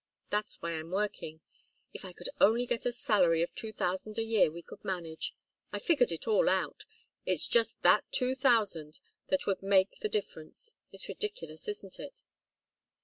That's why I'm working. If I could only get a salary of two thousand a year, we could manage. I've figured it all out it's just that two thousand that would make the difference it's ridiculous, isn't it?"